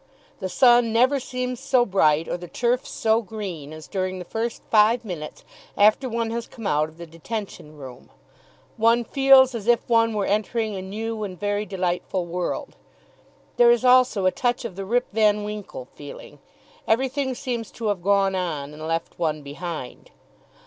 The sun never seems so bright or the turf so green as during the first five minutes after one has come out of the detention room. One feels as if one were entering a new and very delightful world. There is also a touch of the Rip van Winkle feeling. Everything seems to have gone on and left one behind.